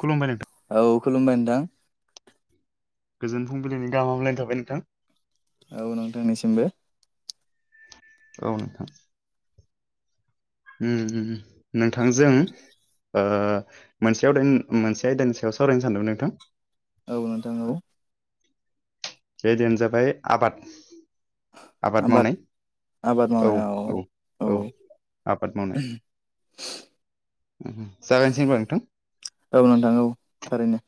खुलुमबाय नोंथां औ खुलुमबाय नोंथां। गोजोन फुंबिलिनि गामामलायनो थाबाय नोंथां। औ नोंथांनिसिमबो औ नोंथां। ओम ओम नोंथांजों ओ मोनसे आयदानि मोनसे आयदानि सायाव सावरायनो सानदोंमोन नोंथां औ नोंथां औ आयदायानो जाबाय आबाद आबाद मावनाय आबाद औ मावनायाव औ औ आबाद मावनाय। [unintelligible] [inaudible] जागायसै होनबा नोंथां। औ नोंथां औ थारैनो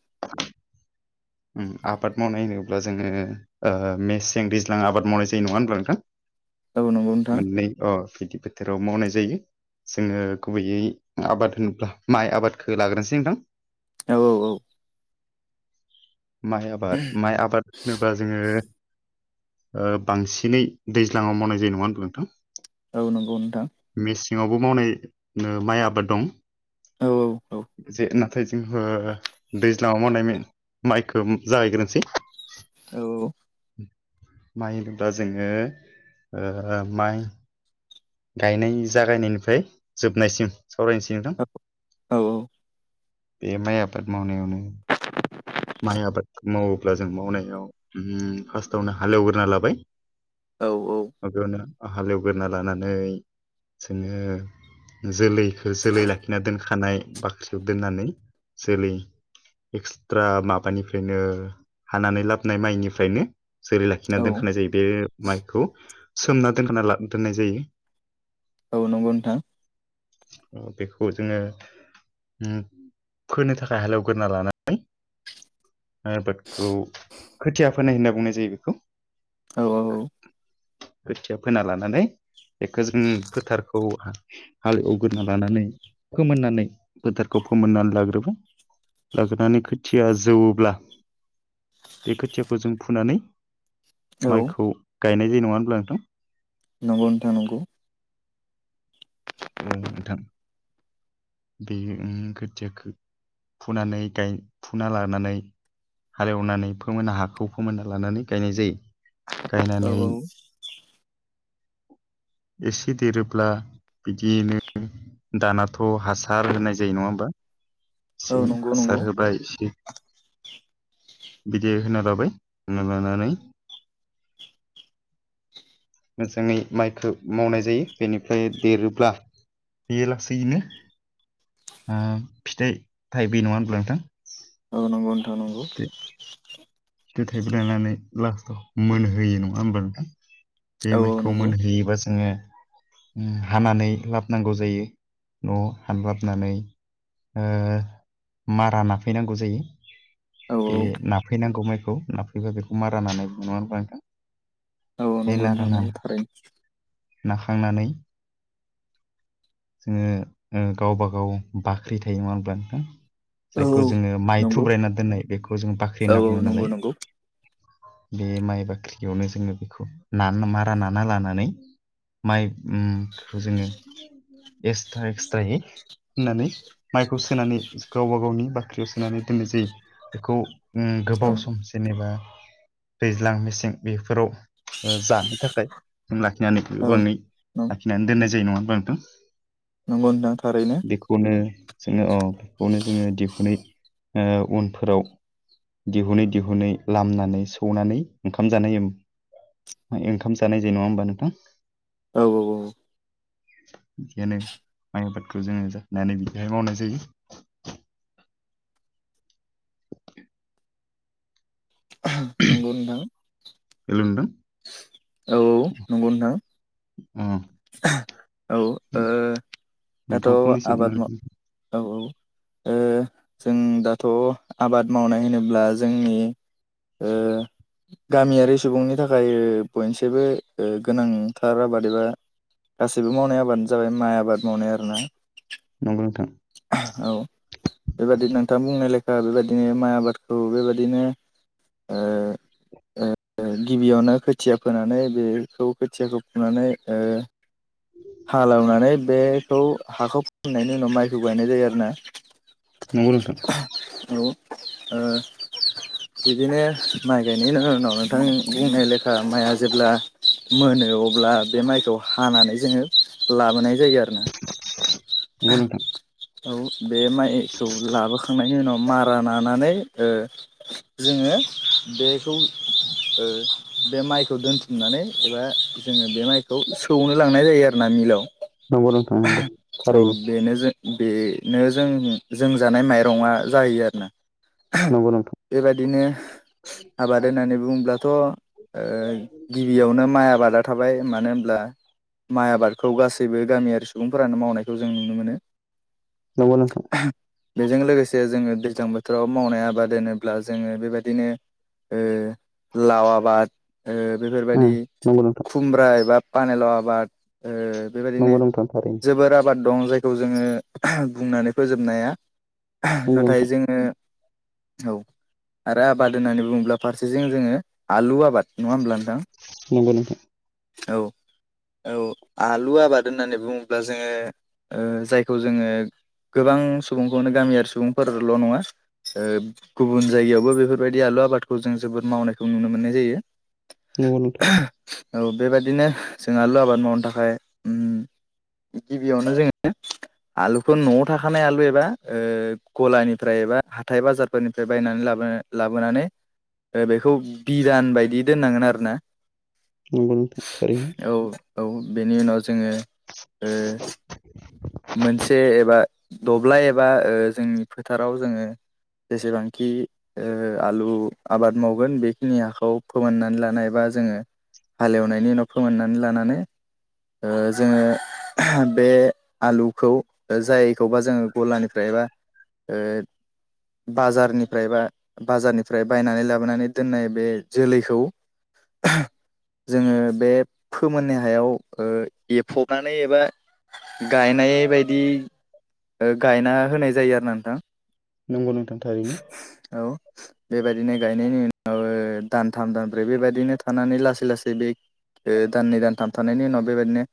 ओम आबाद मावनाय होनोब्ला जोङो ओ मेसें दैज्लां आबाद मावनाय जायो नङा होनब्ला नोंथां। औ नंगौ नोंथां। मोननै अ बिदि बोथोराव मावनाय जायो। जोङो गुबैयै आबाद होनोब्ला माइ आबादखौ लाग्रोनोसै नोंथां। औ औ औ माइ आबाद माइ आबाद होनोबा जोङो ओ बांसिनै दैज्लाङाव मावनाय जायो नङा होनदों नोंथां। औ नंगौ नोंथां। ङावबो मावनाय ओ माइ आबाद दं औ औ जे ना नाथाय जोंबो दैज्लाङाव मावनाय माइखौ जागायग्रोनोसै। औ माइ होनोबा जोङो ओ माइ गायनाय जागायनायनिफ्राय जोबनायसिम सावरायनोसै नोंथां। औ बे माइ आफाद मावनायावनो माइ आबाद मावोब्ला जों मावनायाव ओम फार्स्टआवनो हालेवग्रोना लाबाय। औ माबायावनो हालेवग्रा लानानै जोङो जोलैखौ जोलै लाखिना दोनखानाय बाख्रियाव दोननानै जोलै एक्सट्रा माबानिफ्रायनो हानानै लाबोनाय माइनिफ्रायनो जेरै लाखिना औ दोनखानाय जायो बे माइखौ सोमना दोनखा दोननाय जायो। औ नंगौ नोंथां। बेखौ जोङो ओम फोनो थाखाय हालेवग्रोना लानाय [unintelligible] आबादखौ खोथिया फोनाय होनना बुंनाय जायो बेखौ। औ औ औ खोथिया फोना लानानै बेखौ जों फोथारखौ हालएवग्रोना लानानै फोमोननानै फोथारखौ फोमोननानै लाग्रोबाय लाग्रोनानै खोथिया जौ ब्ला बे खोथियाखौ जों फुनानै औ माइखौ गायनाय जायो नङा होनब्ला नोंथां। नंगौ नोंथां नंगौ। औ नोंथां बे ओम खोथियाखौ फुनानै गाय फुना लानानै हालेवनानै फोमोनना हाखौ फोमोनना लानानै गायनाय जायो। औ गायनानै औ एसे देरोब्ला बिदियैनो दानाथ' हासार होनाय जायो नङा होमबा। औ एसे नंगौ नंगौ हासार होबाय एसे बिदि होना लाबाय होना लानानै मोजाङै माइखो मावनाय जायो बेनिफ्राय देरोब्ला बेयो लासैनो ओ फिथाइ थाइबोयो नङा होनब्ला नोंथां। नंगौ औ नंगौ। [unintelligible] दानानै लास्टाव मोनहोयो नङा होमब्ला नोंथां बे औ औ माइखौ नंगौ मोनहैयोबा जोङो हानानै लाबनांगौ जायो न'वाव हानलाबनानै ओ मारा नाफैनांगौ जायो औ बे नाफैनांगौ माइखौ नाफैबा बेखौ मारा नानाय होननानै बुङो नङा होमबा नोंथां औ बे नंगौ नारा नोंथां नाम नंगौ थारैनो नाखांनानै जोङो गावबा गाव बाख्रि थायो मा होनब्ला नोंथां औ जायखौ औ जोङो माइ नंगौ थुब्रायना दोन्नाय बेखौ जों बाख्रि औ होनना औ बुङो नंगौ नालाय नंगौ बे माइ बाख्रियावनो जोङो बेखौ नान मारा नाना लानानै माइखौ ओ जोङो एक्सट्रा एक्सट्रायै होननानै माइखौ सोनानै गावबा गावनि बाख्रियाव सोनानै दोननाय जायो बेखौ उम औ गोबाव सम जेनेबा दैज्लां मेसें बेफोराव जानो थाखाय जों लाखिनानै औ गोबाङै लाखिनानै दोननाय जायो नङा होनब्ला नोंथां नंगौ नोंथां थारैनो बेखौनो जोङो अ बेखौनो जोङो दिहुनै ओ उनफोराव दिहुनै दिहुनै लामनानै सौनानै ओंखाम जानाय ओंखाम जानाय जे नङा होमबा नोंथां औ औ औ [unintelligible] माइ आबादखौ जोङो [inaudible] बिदिहाय मावनाय जायो। [unintelligible] नंगौ नोंथां औ नंगौ नोंथां [unintelligible] औ ओ दाथ' नोंथां फंनैसो आबाद सुनना माव हो औ औ ओ [unintelligible] जों दाथ' आबाद मावनाय होनोब्ला जोंनि ओ गामियारि सुबुंनि थाखाय बयनिसायबो ओ गोनांथार आबाद एबा गासैबो मावनाय आबादानो जाबाय माइ आबाद मावनाय आरोना नंगौ नोंथां। औ बेबायदिनो नोंथां बुंनाय लेखा बेबायदिनो माइ आबादखौ बेबायदिनो [unintelligible] ओ गिबियावनो खोथिया फोनानै बेखौ खोथियाखौ फुनानै ओ हालेवनानै बे बेखौ हाखौ फामोननायनि उनाव माइखौ गायनाय जायो आरो ना नंगौ नोंथां। [inaudible] ओ बिदिनो माइ गायनायनि उनाव नोंथां बुंनाय लेखा माइया जेब्ला मोनो अब्ला बे माइखौ हानानै जोङो लाबोनाय जायो आरो नोंगौ नोंथां औ बे माइखौ लाबोखांनायनि उनाव मारा नानानै ओ जोङो बेखौ ओ बे माइखौ दोनथुमनानै एबा जोङो बे माइखौ सौनो लांनाय जायो आरोना मिलाव नंगौ नोंथां नंगौ औ थारैनो बेनो जों बेनो जों जों जानाय माइरंआ जाहोयो आरोना नंगौ नोंथां बेबादिनो आबाद होननानै बुङोल्बाथ' ओ गिबियावनो माइ आबादा थाबाय बाय मानो होनोमब्ला माइ आबादखौ गासैबो गामियारि सुबुंफोरानो मावनायखौ जों नुनो मोनो नंगौ नोंथां। बेजों लोगोसे जोङो दैज्लां बोथोराव मावनाय आबाद होनोब्ला जोङो बेबायदिनो ओ लावआबाद उम बेफोरबायदि नंगौ नोंथां खुमब्रा एबा पानेलाव आबाद ओ बेबायदिनो नंगौ नोंथां थारै जोबोर आबाद दं जायखौ जोङो बुंनानै फोजोबनो हाया नंगौ नाथाय नोंथां जोङो औ आरो आबाद होननानै बुङोब्ला फारसेथिं जोङो आलु आबाद नङा होमब्ला नोंथां नंगौ नोंथां औ औ आलु आबाद होननानै बुं ब्ला जोङो ओ जायखौ जोङो गोबां सुबुंखौनो गामियारि सुबुंफोरल' नङा ओ गुबुन जायगायावबो बेफोरबायदि आलु आबादखौ जों जोबोद मावनायखौ नुनो मोननाय जायो। नोंगौ नोंथां औ बेबायदिनो जों आलु आबाद मावनो थाखाय उम गिबियावनो जोङो आलुखौ न'आव थाखानाय आलु एबा ओ गलानिफ्राय एबा हाथाय बाजारफोरनिफ्राय बायनानै लाबो लाबोनानै बेखौ बिदान बायदि दोननांगोन आरोना नोंगौ नोंथां थारैनो औ औ बेनि उनाव जोङो ओ मोनसे एबा दब्लाय एबा ओ जोंनि फोथाराव जोङो जेसेबांखि ओ आलु आबाद मावगोन बेखिनि हाखौ फोमोननानै लानाय एबा जोङो हालेवनायनि उनाव फोमोननानै लानानै ओ जोङो बे आलुखौ जायखौबा जोङो गलानिफ्रायबा ओ बाजारनिफ्राय बा बाजारनि फ्राय बायनानै लाबोनानै दोननाय बे जोलैखौ जोङो बे फोमोननाय हायाव ए फफ फनानै एबा गायनाय बायदि गायना होनाय जायो आरो ना नोंथां नंगौ नोंथां थारैनो औ बेबायदिनो गायनायनि उनाव ओ दानथाम दानब्रै बेबायदिनो थानानै लासै लासै बे दाननै दानथामथनि थानायनि उनाव बेबायदिनो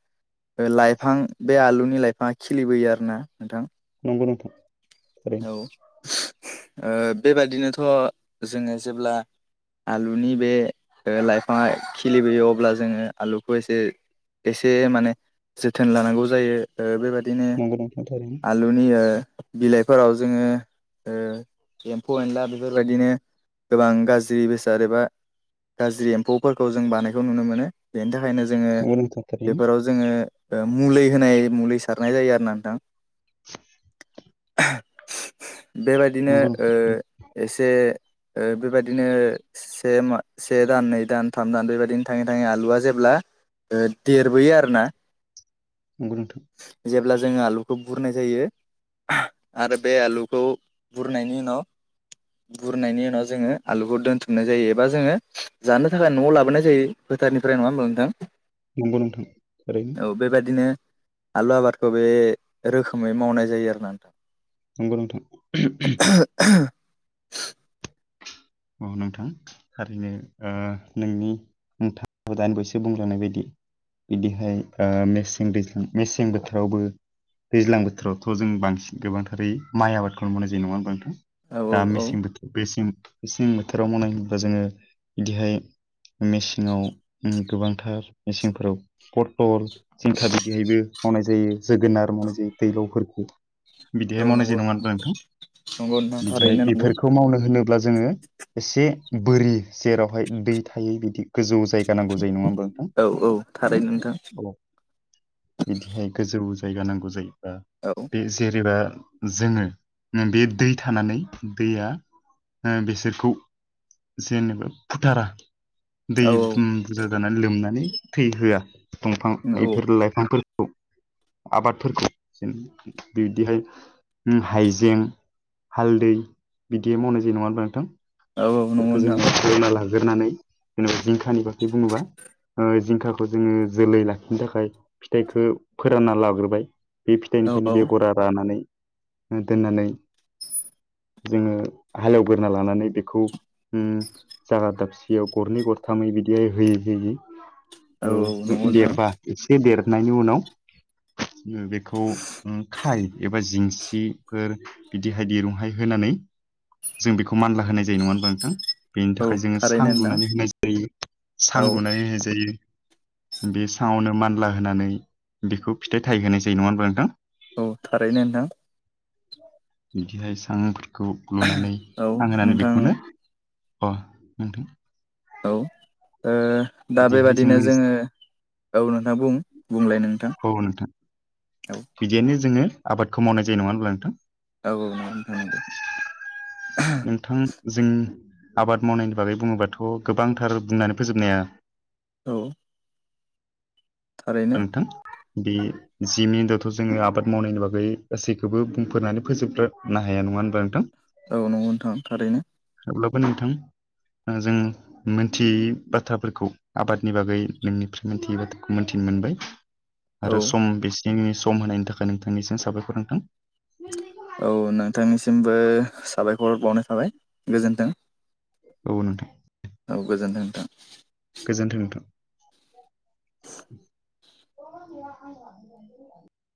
लाइफां बे आलुनि लाइफाङा खिलिबोयो आरो ना नंगौ नोंथां' थारैनो बेबायदिनोथ' जोङो जेब्ला आलुनि बे लाइफाङा खिलिबोयो अब्ला जोङो आलुखौ एसे एसे माने जोथोन लानांगौ जायो ओ बेबायदि बिदिनो नंगौ नोंथां थारैनो आलुनि बिलाइफोराव जोङो ओ एम्फौ एनला बेफोरबायदिनो गोबां गाज्रि बेसाद एबा गाज्रि एम्फौफोरखौ जों बानायखौ नुनो मोनो बेनि थाखाय बेनि थाखायनो जोङो नंगौ नोंथां थारैनो नंगौ नोंथां थारैनो बेफोराव जोङो मुलि होनाय मुलि सारनाय जायो आरो ना नोंथां बेबायदिनो नंगौ एसे बेबायदिनो से से दान नै दान थाम दान बेबायदिनो थाङै थाङै आलुआ जेब्ला देरबोयो आरो ना नंगौ नोंथां जेब्ला जोङो आलुखौ बुरनाय जायो आरो बे आलुखौ बुरनायनि उनाव बुरनायनि उनाव जोङो आलुखौ दोनथुमनाय जायो एबा जोङो जानो थाखाय न'आव लाबोनाय जायो फोथारनिफ्राय नङा होनबा नोंथां नंगौ नोंथां थारैनो औ बेबायादिनो आलु आबादखौ बे रोखोमै मावनाय जायो आरो ना नोंथां नंगौ नोंथां औ नोंथां थारैनो नोंनि नोंथाङखौ दानि बयसो बुंलांनाय बायदि बिदिहाय मेसें दैज्लां मेसें बोथोरावबो दैज्लां बोथोरावथ' जों बांसिन गोबांथारै माइ आबादखौनो मावनाय जायो नङा होनबा नोंथां औ औ दा औ मेसें बोथोराव मेसें बोथोराव मावनाय होनबा जोङो बिदिहाय मेसेङाव गोबांथार मेसिंफोराव पथल जिंखा बिदिहायबो मावनाय जायो जोगोनार मावनाय जायो दैलावफोरखौ बिदिहाय औ मावनाय जे नंगौ नङा होनबा नोंथां नंगौ नोंथां बिदिहाय थारैनो नंगौ बेफोरखौ मावनो होनोब्ला जोङो एसे बोरि जेरावहाय दै थायो बिदि गोजौ जायगा नांगौ जायो नङा होनबा औ औ थारैनो नोंथां बिदिहाय गोजौ जायगा नांगौ जायोबा औ बे जेरैबा जोङो बे दै थानानै दैया बिसोर जेनेबा फुथारा दै औ बुजा जानानै लोमनानै थैहोआ दंफां बेफोर लाइफांफोरखौ आबादफोरखौ बिदिहाय हाइजें हालदै बिदि मावनाय जायो नङा होनबा नोंथां औ नंगौ बेफोरखौ नोंथां जोंयो रुना लागोन लाग्रोनानै जेनेबा जिंखानि बागै बुङोबा जिंखाखौ जोङो जोलै लाखिनो थाखाय फिथाइखौ फोरानना लाग्रोबाय बे औ फिथाइनिफ्रायनो औ बेगरा रानानै दोननानै जोङो हालेवगोरोना लानानै बेखौ बेखौ जागा दाबसेयाव गरनै गरथामै बिदि हायै होयै होयै औ औ नंगौ देरबा नोंथां एसे देरनायनि उनाव बेखौ खाय एबा जिंसिफोर बिदिहाय दिरुंहाय होनानै नै बेखौ मानला होनाय जायो जे नङा होनबा नोंथां बेनि औ थाखाय जोङो सां थारैनो नोंथां लुनानै होनाय जायो सां औ लुनानै होनाय जायो बे साङावनो मानला होनानै बेखौ फिथाइ थाइहोनाय जायो नङा होनब्ला नोंथां औ थारैनो नोंथां बिदिहाय सांफोरखौ लुनानै औ आं होनानै नोंथां औ बेखौनो अ नोंथां औ ओ दा बिदिहाय बेबादिनो जोंनि जोङो औ नोंथां बुं बुंलाय नोंथां औ बिदियनो जोङो आबादखौ मावनाय जायो नङा होनब्ला नोंथां औ नंगौ नोंथां नंगौ नोंथां जों आबाद मावनायनि बागै बुङोबाथ' गोबांथार बुंनानै फोजोबनो हाया औ थारैनो नोंथां बे जिमन्दआवथ' जोङो आबाद मावनायनि बागै गासैखौबो बुंफोरनानै फोजोबग्रानो हाया नङा होनोमा नोंथां? ओ नंगो नोंथां थारैनो अेब्लाबो नोंथां जों मोनथियै बाथ्राफोरखौ आबादनि बागै नोंनिफ्राय मोनथियै बाथ्राखौ मिथि मोनबाय औ आरो सम बेसे जोंनि सम होनायनि थाखाय नोंथांनिसिम साबायखर नोंथां। औ नोंथांनिसिमबो साबायखर बावनाय थाबाय गोजोन्थों। औ नोंथां औ गोजोन्थों गोजोन्थों नोंथां। [inaudible]